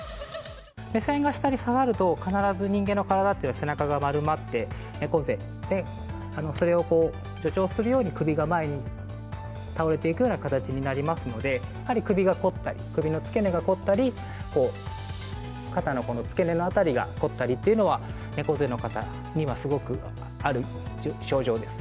目線が下に下がると、必ず人間の体って、背中が丸まって猫背、それを助長するように首が前に倒れていくような形になりますので、やはり首が凝ったり、首の付け根が凝ったり、肩のこの付け根の辺りが凝ったりっていうのは、猫背の方には、すごくある症状です。